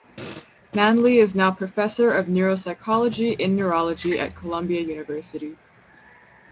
Manly is now Professor of Neuropsychology in Neurology at Columbia University.